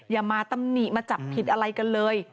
อย่ามาตำหนิมาจับผิดอะไรกันเลย